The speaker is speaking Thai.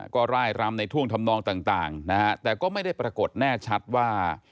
ก็ร่ายรำในท่วงทำนองต่างนะฮะแต่ก็ไม่ได้ปรากฏแน่ชัดว่า